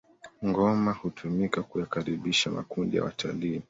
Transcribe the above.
ngoma hutumika kuyakaribisha makundi ya watalii